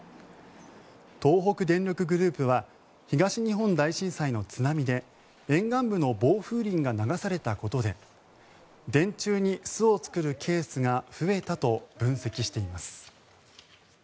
東北電力グループは東日本大震災の津波で沿岸部の防風林が流されたことで電柱に巣を作るケースが増えたと分析しています。